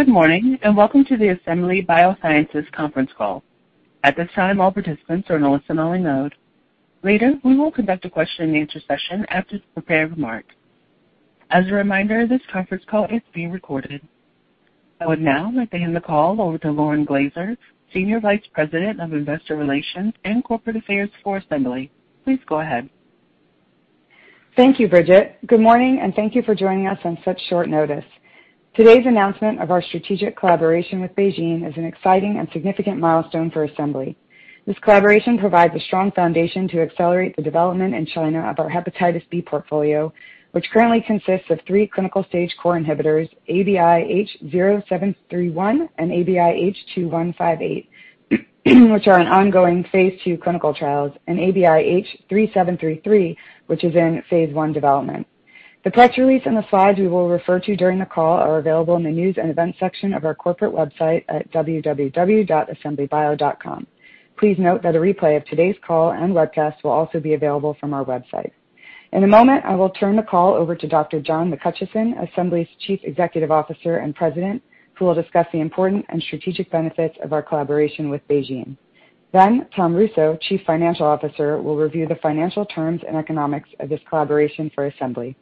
Good morning. Welcome to the Assembly Biosciences conference call. At this time, all participants are in a listen-only mode. Later, we will conduct a question and answer session after the prepared remarks. As a reminder, this conference call is being recorded. I would now like to hand the call over to Lauren Glaser, Senior Vice President of Investor Relations and Corporate Affairs for Assembly. Please go ahead. Thank you, Bridget. Good morning, and thank you for joining us on such short notice. Today's announcement of our strategic collaboration with BeiGene is an exciting and significant milestone for Assembly. This collaboration provides a strong foundation to accelerate the development in China of our hepatitis B portfolio, which currently consists of 3 clinical stage core inhibitors, ABI-H0731 and ABI-H2158, which are in ongoing phase II clinical trials, and ABI-H3733, which is in phase I development. The press release and the slides we will refer to during the call are available in the news and events section of our corporate website at www.assemblybio.com. Please note that a replay of today's call and webcast will also be available from our website. In a moment, I will turn the call over to Dr. John McHutchison, Assembly's Chief Executive Officer and President, who will discuss the important and strategic benefits of our collaboration with BeiGene. Thomas Russo, Chief Financial Officer, will review the financial terms and economics of this collaboration for Assembly.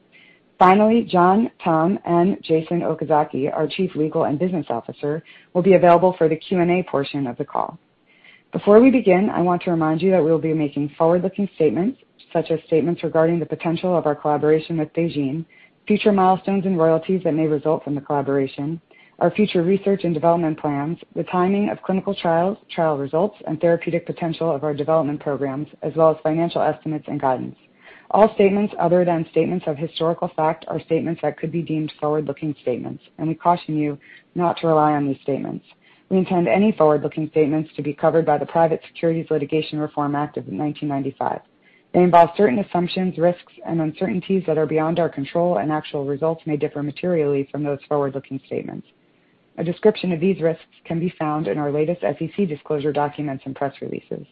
Finally, John, Tom, and Jason Okazaki, our Chief Legal and Business Officer, will be available for the Q&A portion of the call. Before we begin, I want to remind you that we will be making forward-looking statements, such as statements regarding the potential of our collaboration with BeiGene, future milestones and royalties that may result from the collaboration, our future research and development plans, the timing of clinical trials, trial results, and therapeutic potential of our development programs, as well as financial estimates and guidance. All statements other than statements of historical fact are statements that could be deemed forward-looking statements, and we caution you not to rely on these statements. We intend any forward-looking statements to be covered by the Private Securities Litigation Reform Act of 1995. They involve certain assumptions, risks, and uncertainties that are beyond our control, and actual results may differ materially from those forward-looking statements. A description of these risks can be found in our latest SEC disclosure documents and press releases.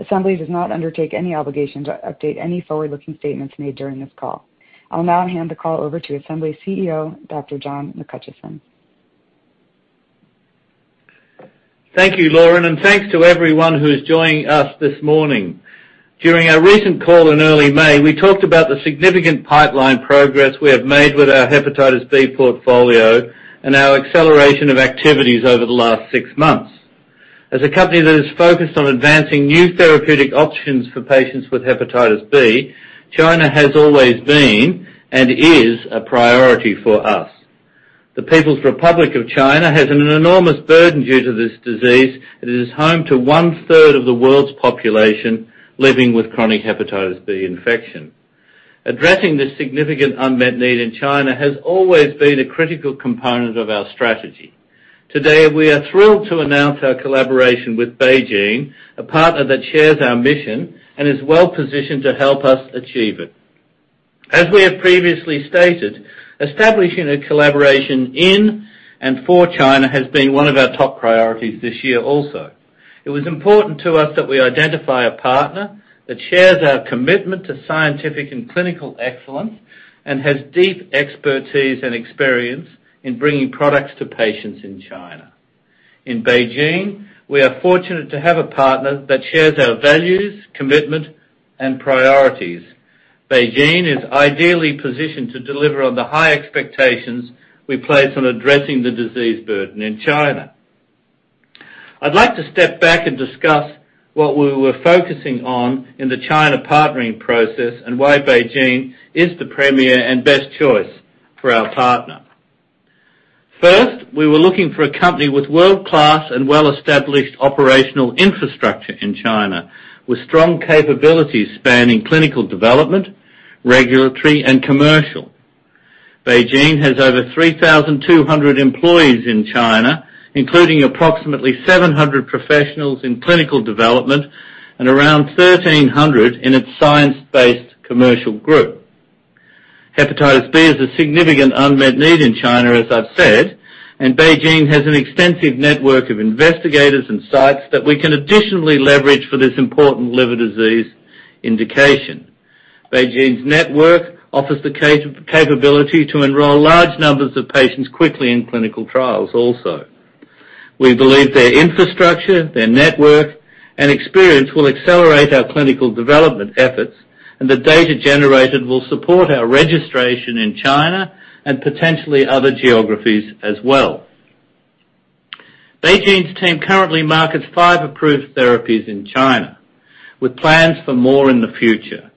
Assembly does not undertake any obligation to update any forward-looking statements made during this call. I'll now hand the call over to Assembly CEO, Dr. John McHutchison. Thank you, Lauren, and thanks to everyone who is joining us this morning. During our recent call in early May, we talked about the significant pipeline progress we have made with our hepatitis B portfolio and our acceleration of activities over the last six months. As a company that is focused on advancing new therapeutic options for patients with hepatitis B, China has always been and is a priority for us. The People's Republic of China has an enormous burden due to this disease and is home to one-third of the world's population living with chronic hepatitis B infection. Addressing this significant unmet need in China has always been a critical component of our strategy. Today, we are thrilled to announce our collaboration with BeiGene, a partner that shares our mission and is well positioned to help us achieve it. As we have previously stated, establishing a collaboration in and for China has been one of our top priorities this year also. It was important to us that we identify a partner that shares our commitment to scientific and clinical excellence and has deep expertise and experience in bringing products to patients in China. In BeiGene, we are fortunate to have a partner that shares our values, commitment, and priorities. BeiGene is ideally positioned to deliver on the high expectations we place on addressing the disease burden in China. I'd like to step back and discuss what we were focusing on in the China partnering process and why BeiGene is the premier and best choice for our partner. First, we were looking for a company with world-class and well-established operational infrastructure in China, with strong capabilities spanning clinical development, regulatory, and commercial. BeiGene has over 3,200 employees in China, including approximately 700 professionals in clinical development and around 1,300 in its science-based commercial group. Hepatitis B is a significant unmet need in China, as I've said. BeiGene has an extensive network of investigators and sites that we can additionally leverage for this important liver disease indication. BeiGene's network offers the capability to enroll large numbers of patients quickly in clinical trials also. We believe their infrastructure, their network, and experience will accelerate our clinical development efforts. The data generated will support our registration in China and potentially other geographies as well. BeiGene's team currently markets five approved therapies in China with plans for more in the future.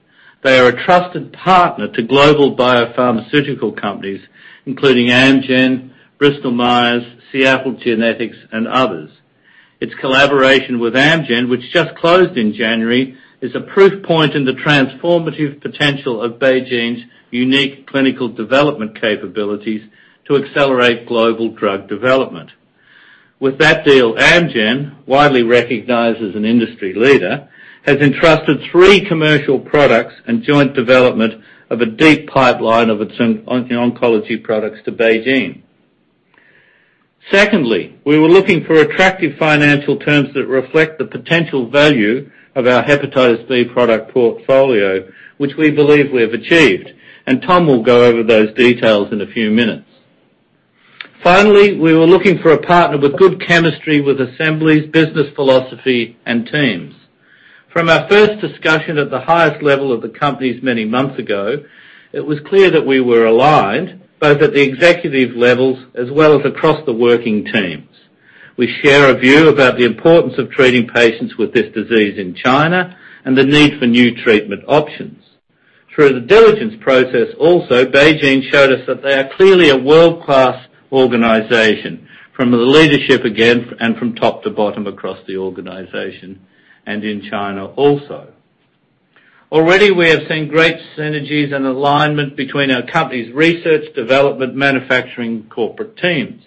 They are a trusted partner to global biopharmaceutical companies, including Amgen, Bristol Myers, Seagen, and others. Its collaboration with Amgen, which just closed in January, is a proof point in the transformative potential of BeiGene's unique clinical development capabilities to accelerate global drug development. With that deal, Amgen, widely recognized as an industry leader, has entrusted three commercial products and joint development of a deep pipeline of its oncology products to BeiGene. Secondly, we were looking for attractive financial terms that reflect the potential value of our hepatitis B product portfolio, which we believe we have achieved. Tom will go over those details in a few minutes. Finally, we were looking for a partner with good chemistry with Assembly's business philosophy and teams. From our first discussion at the highest level of the companies many months ago, it was clear that we were aligned, both at the executive levels as well as across the working teams. We share a view about the importance of treating patients with this disease in China and the need for new treatment options. Through the diligence process also, BeiGene showed us that they are clearly a world-class organization from the leadership, again, and from top to bottom across the organization and in China also. Already, we have seen great synergies and alignment between our company's research, development, manufacturing, corporate teams.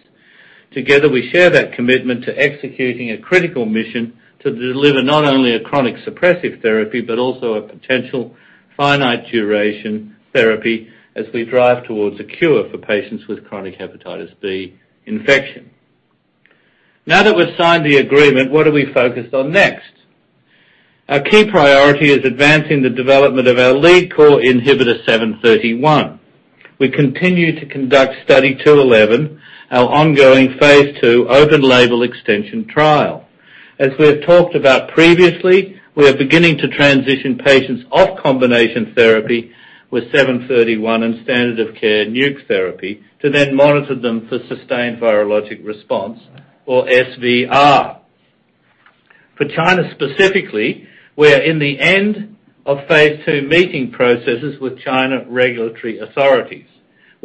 Together, we share that commitment to executing a critical mission to deliver not only a chronic suppressive therapy, but also a potential finite duration therapy as we drive towards a cure for patients with chronic hepatitis B infection. Now that we've signed the agreement, what are we focused on next? Our key priority is advancing the development of our lead core inhibitor 731. We continue to conduct Study 211, our ongoing phase II open label extension trial. As we have talked about previously, we are beginning to transition patients off combination therapy with 731 and standard of care NUC therapy, to then monitor them for sustained virologic response or SVR. For China specifically, we are in the end of Phase II meeting processes with China regulatory authorities.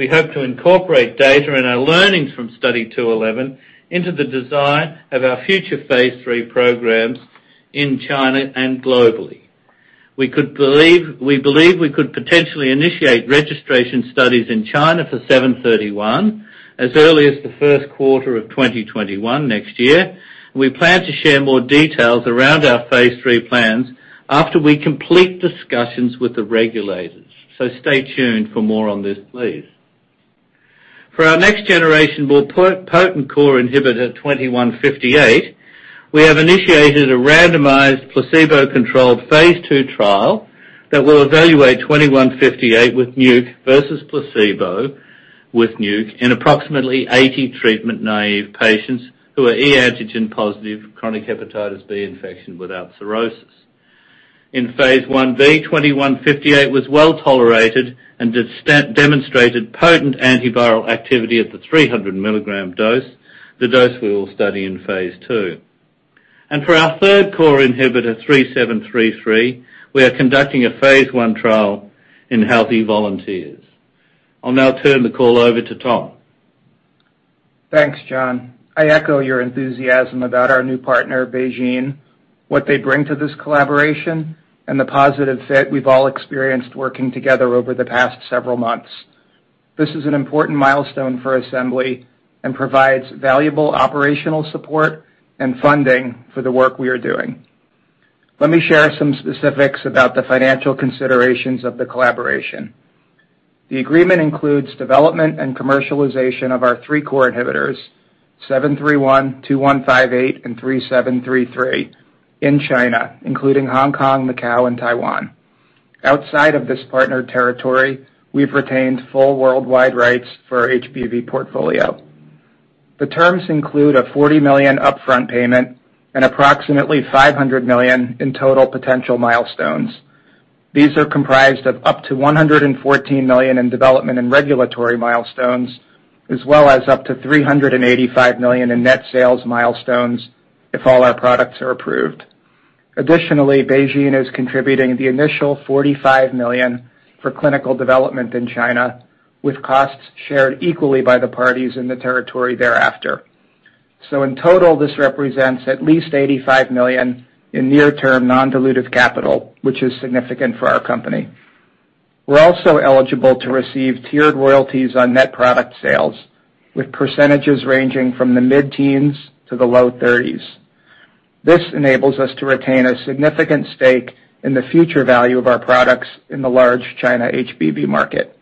We hope to incorporate data and our learnings from Study 211 into the design of our future Phase III programs in China and globally. We believe we could potentially initiate registration studies in China for 731 as early as the first quarter of 2021 next year, and we plan to share more details around our Phase III plans after we complete discussions with the regulators. Stay tuned for more on this, please. For our next generation more potent core inhibitor 2158, we have initiated a randomized placebo-controlled Phase II trial that will evaluate 2158 with NUC versus placebo with NUC in approximately 80 treatment naive patients who are e antigen positive chronic hepatitis B infection without cirrhosis. In Phase I, 2158 was well-tolerated and has demonstrated potent antiviral activity at the 300 milligram dose, the dose we will study in Phase II. For our third core inhibitor, 3733, we are conducting a Phase I trial in healthy volunteers. I'll now turn the call over to Tom. Thanks, John. I echo your enthusiasm about our new partner, BeiGene, what they bring to this collaboration, and the positive fit we've all experienced working together over the past several months. This is an important milestone for Assembly and provides valuable operational support and funding for the work we are doing. Let me share some specifics about the financial considerations of the collaboration. The agreement includes development and commercialization of our three core inhibitors, 731, 2158, and 3733 in China, including Hong Kong, Macau, and Taiwan. Outside of this partnered territory, we've retained full worldwide rights for our HBV portfolio. The terms include a $40 million upfront payment and approximately $500 million in total potential milestones. These are comprised of up to $114 million in development and regulatory milestones, as well as up to $385 million in net sales milestones if all our products are approved. Additionally, BeiGene is contributing the initial $45 million for clinical development in China, with costs shared equally by the parties in the territory thereafter. In total, this represents at least $85 million in near term non-dilutive capital, which is significant for our company. We're also eligible to receive tiered royalties on net product sales, with percentages ranging from the mid-teens to the low 30s. This enables us to retain a significant stake in the future value of our products in the large China HBV market.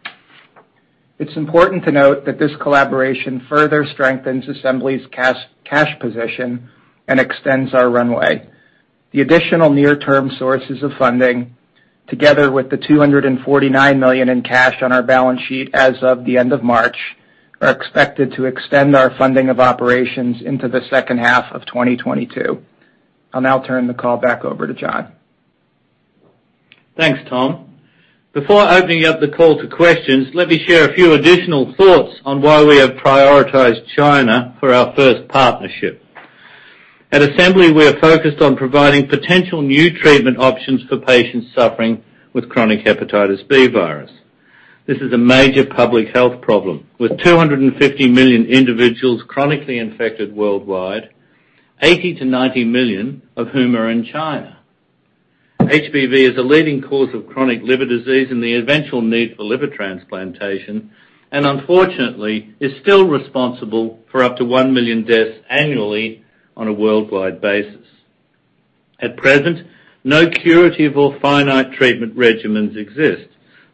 It's important to note that this collaboration further strengthens Assembly's cash position and extends our runway. The additional near-term sources of funding, together with the $249 million in cash on our balance sheet as of the end of March, are expected to extend our funding of operations into the second half of 2022. I'll now turn the call back over to John. Thanks, Tom. Before opening up the call to questions, let me share a few additional thoughts on why we have prioritized China for our first partnership. At Assembly, we are focused on providing potential new treatment options for patients suffering with chronic hepatitis B virus. This is a major public health problem, with 250 million individuals chronically infected worldwide, 80 million-90 million of whom are in China. HBV is a leading cause of chronic liver disease and the eventual need for liver transplantation, and unfortunately, is still responsible for up to 1 million deaths annually on a worldwide basis. At present, no curative or finite treatment regimens exist,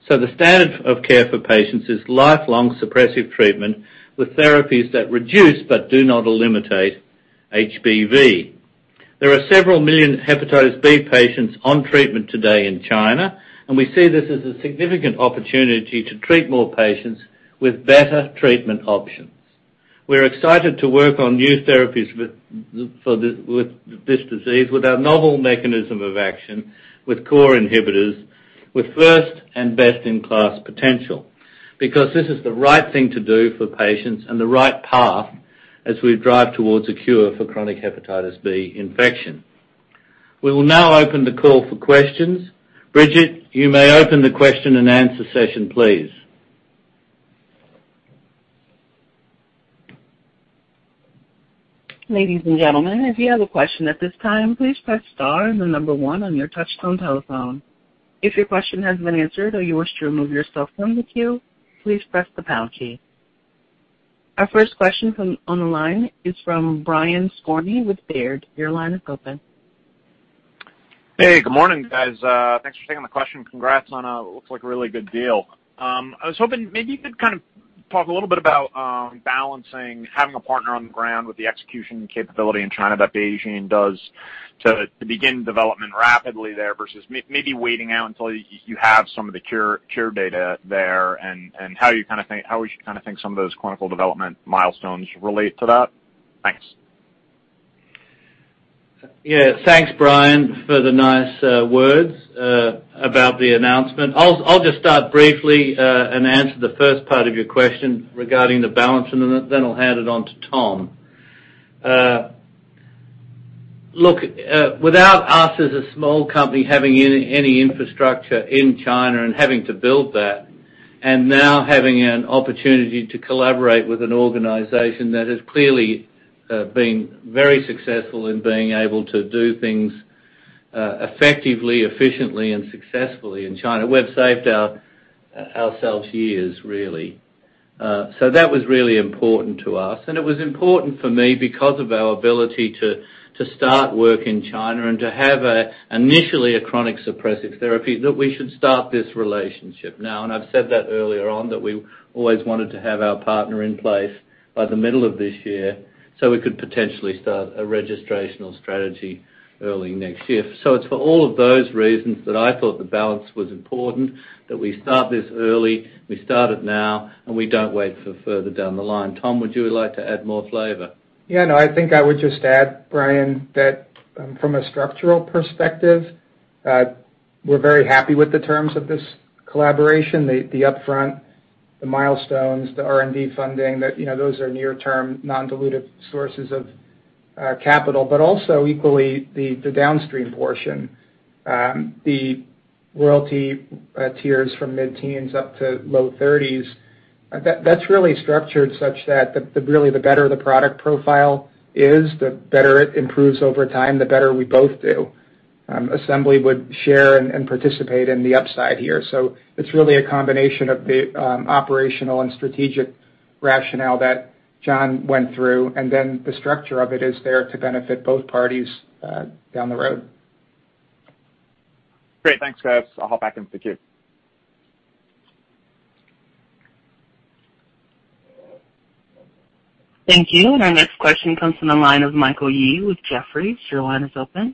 so the standard of care for patients is lifelong suppressive treatment with therapies that reduce but do not eliminate HBV. There are several million hepatitis B patients on treatment today in China, and we see this as a significant opportunity to treat more patients with better treatment options. We're excited to work on new therapies with this disease, with our novel mechanism of action, with core inhibitors, with first and best-in-class potential, because this is the right thing to do for patients and the right path as we drive towards a cure for chronic hepatitis B infection. We will now open the call for questions. Bridget, you may open the question and answer session, please. Ladies and gentlemen, if you have a question at this time, please press star and the number one on your touchtone telephone. If your question has been answered or you wish to remove yourself from the queue, please press the pound key. Our first question on the line is from Brian Skorney with Baird. Your line is open. Hey, good morning, guys. Thanks for taking the question. Congrats on what looks like a really good deal. I was hoping maybe you could talk a little bit about balancing having a partner on the ground with the execution capability in China that BeiGene does to begin development rapidly there versus maybe waiting out until you have some of the cure data there and how we should think some of those clinical development milestones relate to that. Thanks. Yeah. Thanks, Brian, for the nice words about the announcement. I'll just start briefly and answer the first part of your question regarding the balance, and then I'll hand it on to Tom. Look, without us as a small company having any infrastructure in China and having to build that, and now having an opportunity to collaborate with an organization that has clearly been very successful in being able to do things effectively, efficiently, and successfully in China, we've saved ourselves years, really. That was really important to us. It was important for me because of our ability to start work in China and to have initially a chronic suppressive therapy, that we should start this relationship now. I've said that earlier on, that we always wanted to have our partner in place by the middle of this year so we could potentially start a registrational strategy early next year. It's for all of those reasons that I thought the balance was important, that we start this early, we start it now, and we don't wait for further down the line. Tom, would you like to add more flavor? Yeah, no. I think I would just add, Brian, that from a structural perspective, we're very happy with the terms of this collaboration, the upfront, the milestones, the R&D funding. Those are near-term non-dilutive sources of capital. Also, equally, the downstream portion, the royalty tiers from mid-teens up to low thirties, that's really structured such that really the better the product profile is, the better it improves over time, the better we both do. Assembly would share and participate in the upside here. It's really a combination of the operational and strategic rationale that John went through, and then the structure of it is there to benefit both parties down the road. Great. Thanks, guys. I'll hop back into the queue. Thank you. Our next question comes from the line of Michael Yee with Jefferies. Your line is open.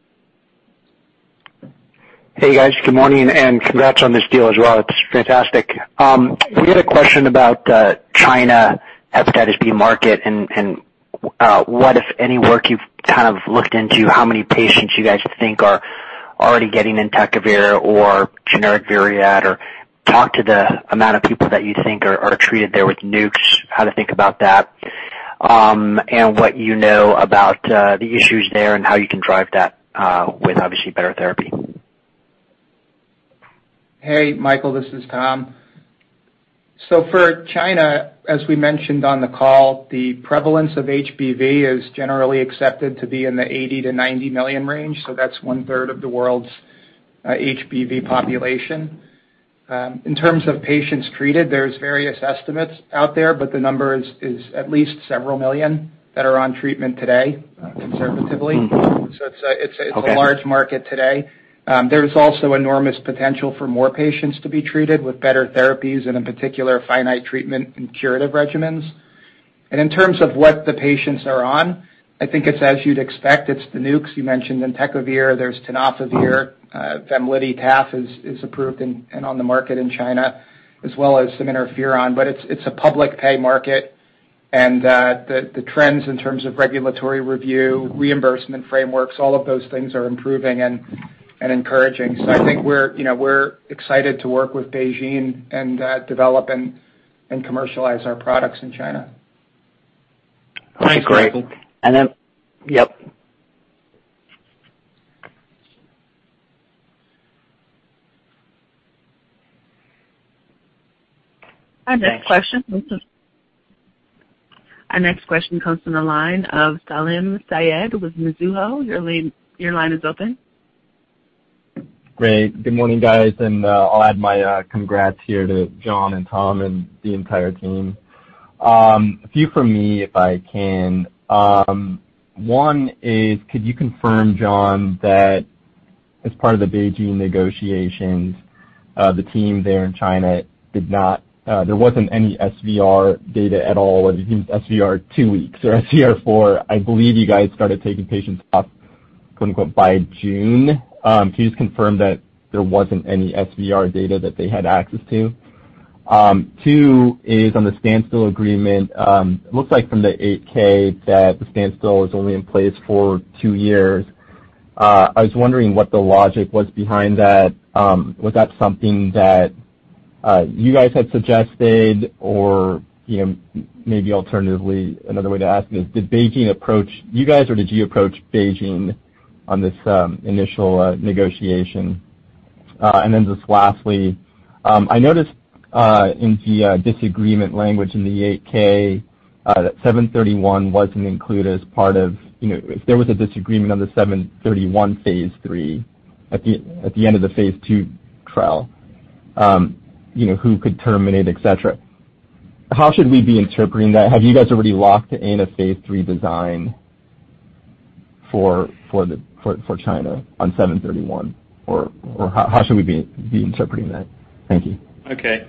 Hey, guys. Good morning. Congrats on this deal as well. It's fantastic. We had a question about China hepatitis B market and what, if any, work you've looked into, how many patients you guys think are already getting entecavir or generic Baraclude, or talk to the amount of people that you think are treated there with NUCs, how to think about that, and what you know about the issues there and how you can drive that with obviously better therapy. Hey, Michael, this is Tom. For China, as we mentioned on the call, the prevalence of HBV is generally accepted to be in the 80 million-90 million range, so that's one-third of the world's HBV population. In terms of patients treated, there's various estimates out there, but the number is at least several million that are on treatment today, conservatively. Mm-hmm. Okay. It's a large market today. There's also enormous potential for more patients to be treated with better therapies and, in particular, finite treatment and curative regimens. In terms of what the patients are on, I think it's as you'd expect. It's the NUCs. You mentioned entecavir. There's tenofovir. VEMLIDY TAF is approved and on the market in China, as well as some interferon. It's a public pay market, and the trends in terms of regulatory review, reimbursement frameworks, all of those things are improving and encouraging. I think we're excited to work with BeiGene and develop and commercialize our products in China. Thanks, Michael. Yep. Our next question comes from the line of Salim Syed with Mizuho. Your line is open. Great. Good morning, guys. I'll add my congrats here to John and Tom and the entire team. A few from me, if I can. One is, could you confirm, John, that As part of the BeiGene negotiations, the team there in China, there wasn't any SVR data at all, SVR2 weeks or SVR4. I believe you guys started taking patients off, quote unquote, by June. Can you just confirm that there wasn't any SVR data that they had access to? Two is on the standstill agreement. It looks like from the 8-K that the standstill is only in place for two years. I was wondering what the logic was behind that. Was that something that you guys had suggested? Maybe alternatively, another way to ask is, did you guys, or did you approach BeiGene on this initial negotiation? Just lastly, I noticed in the disagreement language in the 8-K that 731 wasn't included as part of. If there was a disagreement on the 731 phase III at the end of the phase II trial, who could terminate, et cetera? How should we be interpreting that? Have you guys already locked in a phase III design for China on 731? How should we be interpreting that? Thank you. Okay.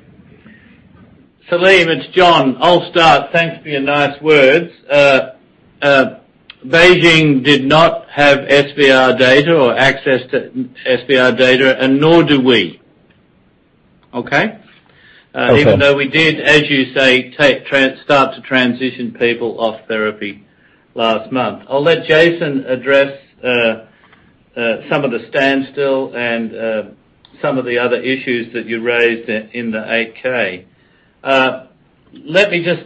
Salim, it's John. I'll start. Thanks for your nice words. BeiGene did not have SVR data or access to SVR data. Nor do we. Okay? Okay. Even though we did, as you say, start to transition people off therapy last month. I'll let Jason address some of the standstill and some of the other issues that you raised in the 8-K.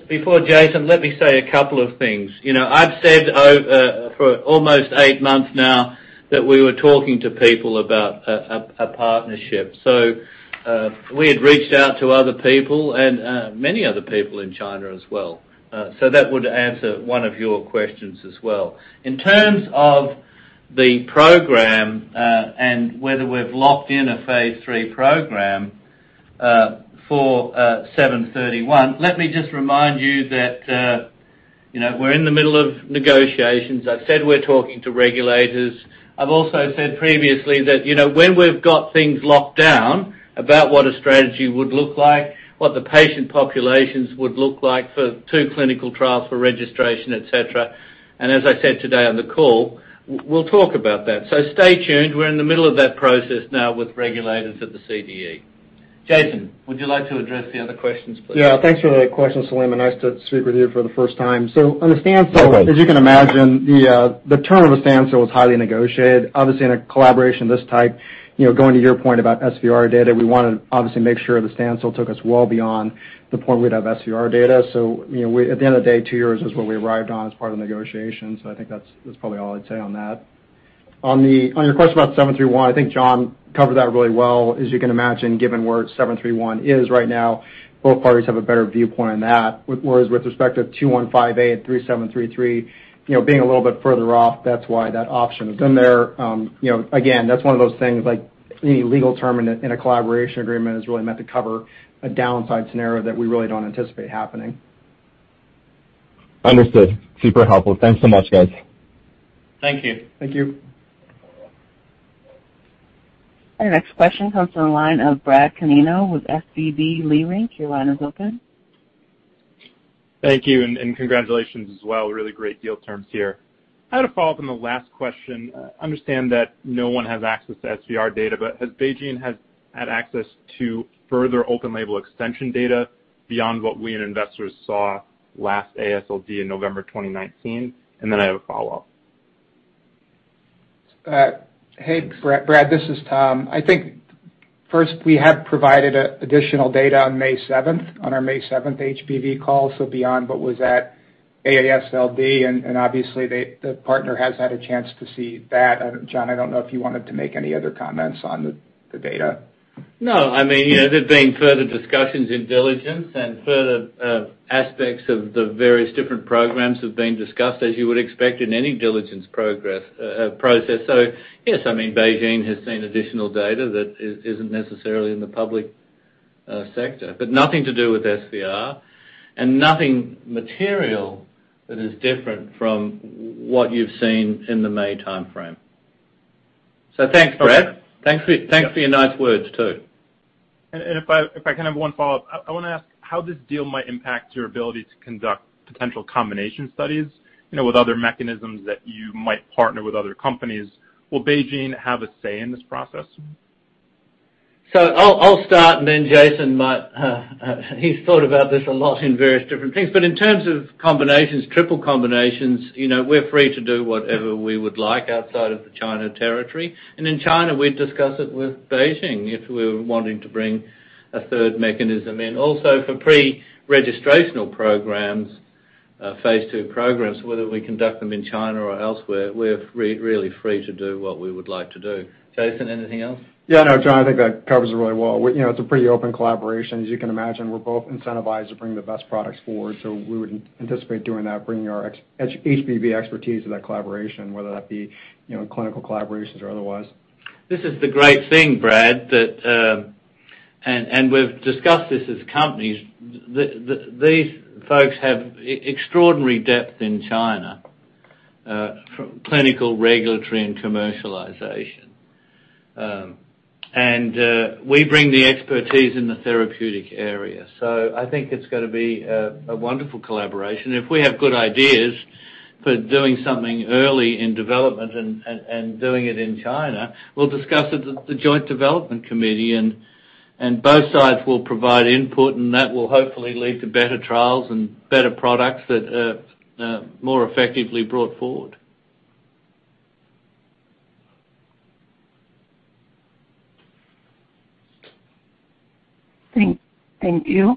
Before Jason, let me say a couple of things. We had reached out to other people and many other people in China as well. That would answer one of your questions as well. In terms of the program, and whether we've locked in a Phase III program for 731, let me just remind you that we're in the middle of negotiations. I've said we're talking to regulators. I've also said previously that when we've got things locked down about what a strategy would look like, what the patient populations would look like for two clinical trials for registration, et cetera, and as I said today on the call, we'll talk about that. Stay tuned. We're in the middle of that process now with regulators at the CDE. Jason, would you like to address the other questions, please? Thanks for the question, Salim, and nice to speak with you for the first time. On the standstill, as you can imagine, the term of a standstill was highly negotiated, obviously in a collaboration of this type. Going to your point about SVR data, we want to obviously make sure the standstill took us well beyond the point we'd have SVR data. At the end of the day, two years is what we arrived on as part of the negotiations. I think that's probably all I'd say on that. On your question about 731, I think John covered that really well. As you can imagine, given where 731 is right now, both parties have a better viewpoint on that. Whereas with respect to 2158 and 3733, being a little bit further off, that's why that option is in there. That's one of those things, like any legal term in a collaboration agreement is really meant to cover a downside scenario that we really don't anticipate happening. Understood. Super helpful. Thanks so much, guys. Thank you. Thank you. Our next question comes from the line of Brad Canino with SVB Leerink. Your line is open. Thank you, and congratulations as well. Really great deal terms here. I had a follow-up on the last question. I understand that no one has access to SVR data, but has BeiGene had access to further open label extension data beyond what we and investors saw last AASLD in November 2019? I have a follow-up. Hey, Brad, this is Tom. I think first, we have provided additional data on May 7th, on our May 7th HBV call, so beyond what was at AASLD, and obviously the partner has had a chance to see that. John, I don't know if you wanted to make any other comments on the data. No. There've been further discussions in diligence and further aspects of the various different programs have been discussed, as you would expect in any diligence process. Yes, BeiGene has seen additional data that isn't necessarily in the public sector, but nothing to do with SVR and nothing material that is different from what you've seen in the May timeframe. Thanks, Brad. Okay. Thanks for your nice words, too. If I can have one follow-up, I want to ask how this deal might impact your ability to conduct potential combination studies, with other mechanisms that you might partner with other companies. Will BeiGene have a say in this process? I'll start and then Jason might. He's thought about this a lot in various different things. In terms of combinations, triple combinations, we're free to do whatever we would like outside of the China territory. In China, we'd discuss it with BeiGene if we were wanting to bring a third mechanism in. Also for pre-registrational programs, phase II programs, whether we conduct them in China or elsewhere, we're really free to do what we would like to do. Jason, anything else? Yeah, no, John, I think that covers it really well. It's a pretty open collaboration. As you can imagine, we're both incentivized to bring the best products forward, so we would anticipate doing that, bringing our HBV expertise to that collaboration, whether that be clinical collaborations or otherwise. This is the great thing, Brad. We've discussed this as companies. These folks have extraordinary depth in China, clinical, regulatory, and commercialization. We bring the expertise in the therapeutic area. I think it's going to be a wonderful collaboration. If we have good ideas for doing something early in development and doing it in China, we'll discuss it at the joint development committee and both sides will provide input and that will hopefully lead to better trials and better products that are more effectively brought forward. Thank you.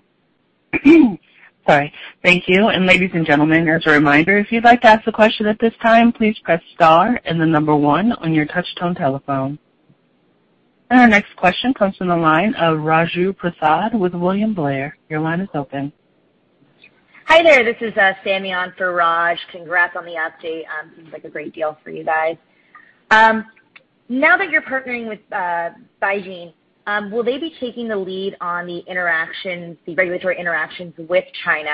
Sorry. Thank you. Ladies and gentlemen, as a reminder, if you'd like to ask a question at this time, please press star and the number 1 on your touch tone telephone. Our next question comes from the line of Raju Prasad with William Blair. Your line is open. Hi there. This is Sammy on for Raju. Congrats on the update. Seems like a great deal for you guys. Now that you're partnering with BeiGene, will they be taking the lead on the regulatory interactions with China?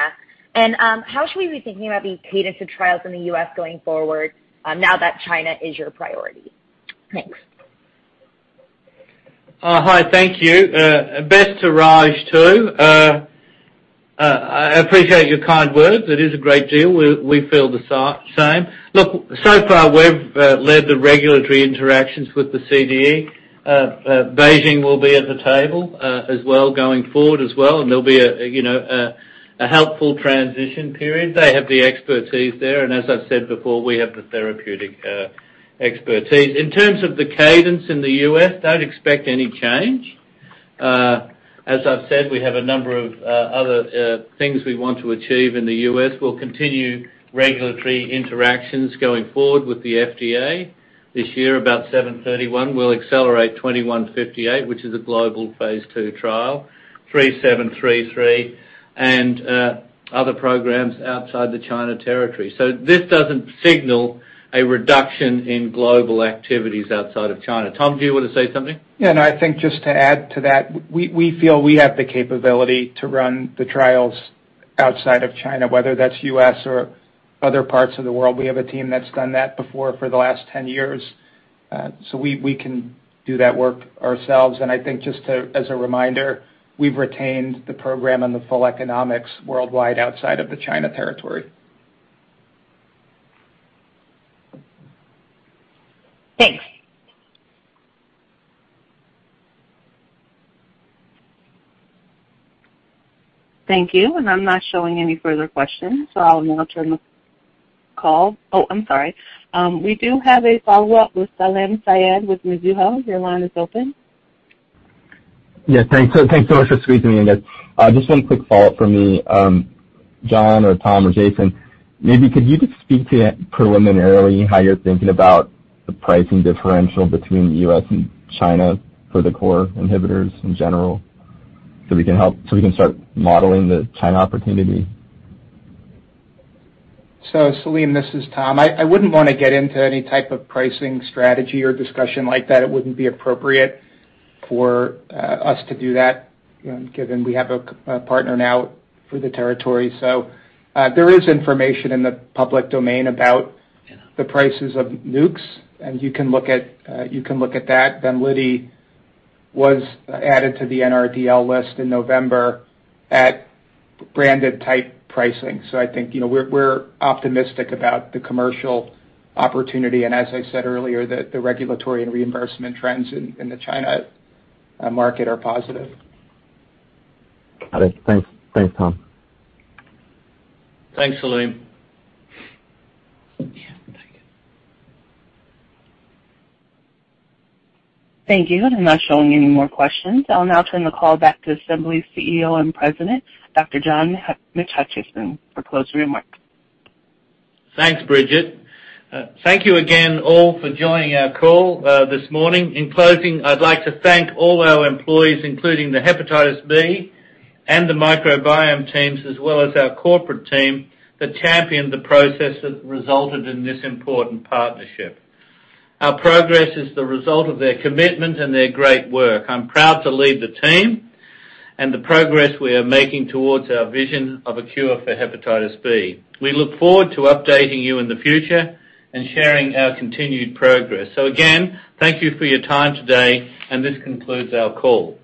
How should we be thinking about the cadence of trials in the U.S. going forward now that China is your priority? Thanks. Hi. Thank you. Best to Raj, too. I appreciate your kind words. It is a great deal. We feel the same. So far we've led the regulatory interactions with the CDE. BeiGene will be at the table as well going forward as well, and there'll be a helpful transition period. They have the expertise there, and as I've said before, we have the therapeutic expertise. In terms of the cadence in the U.S., don't expect any change. As I've said, we have a number of other things we want to achieve in the U.S. We'll continue regulatory interactions going forward with the FDA. This year, about 7131, we'll accelerate 2158, which is a global phase II trial, 3733, and other programs outside the China territory. This doesn't signal a reduction in global activities outside of China. Tom, do you want to say something? Yeah. No, I think just to add to that, we feel we have the capability to run the trials outside of China, whether that's U.S. or other parts of the world. We have a team that's done that before for the last 10 years. We can do that work ourselves. I think just as a reminder, we've retained the program and the full economics worldwide outside of the China territory. Thanks. Thank you. I'm not showing any further questions. I'll now turn the call. Oh, I'm sorry. We do have a follow-up with Salim Syed with Mizuho. Your line is open. Yeah, thanks so much for squeezing me in, guys. Just one quick follow-up from me. John or Tom or Jason, maybe could you just speak to preliminarily how you're thinking about the pricing differential between the U.S. and China for the core inhibitors in general so we can start modeling the China opportunity? Salim, this is Tom. I wouldn't want to get into any type of pricing strategy or discussion like that. It wouldn't be appropriate for us to do that given we have a partner now for the territory. There is information in the public domain about the prices of NUCs, and you can look at that. VEMLIDY was added to the NRDL list in November at branded type pricing. I think we're optimistic about the commercial opportunity, and as I said earlier, the regulatory and reimbursement trends in the China market are positive. Got it. Thanks, Tom. Thanks, Salim. Thank you. I'm not showing any more questions. I'll now turn the call back to Assembly's CEO and President, Dr. John McHutchison for closing remarks. Thanks, Bridget. Thank you again all for joining our call this morning. In closing, I'd like to thank all our employees, including the hepatitis B and the microbiome teams, as well as our corporate team that championed the process that resulted in this important partnership. Our progress is the result of their commitment and their great work. I'm proud to lead the team and the progress we are making towards our vision of a cure for hepatitis B. We look forward to updating you in the future and sharing our continued progress. Again, thank you for your time today, and this concludes our call.